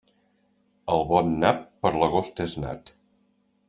El bon nap, per l'agost és nat.